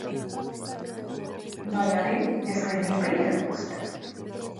Vai arī, ja slimība ieilgst.